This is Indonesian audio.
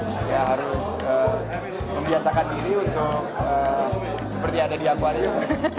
jadi ya harus membiasakan diri untuk seperti ada di aquarium